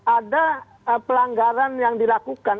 ada pelanggaran yang dilakukan